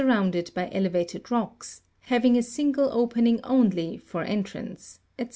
rounded by elevated rocks, having a single opening only for entrance &c.